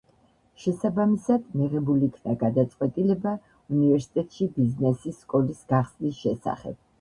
შესაბამისად, მიღებულ იქნა გადაწყვეტილება უნივერსიტეტში ბიზნესის სკოლის გახსნის შესახებ.